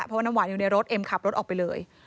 เพราะว่าน้ำหวานอยู่ในรถเอ็มขับรถออกไปเลย